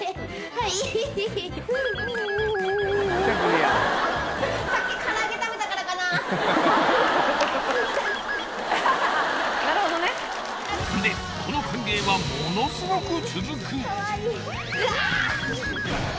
はいなるほどねんでこの歓迎はものすごく続くカワイイうわ！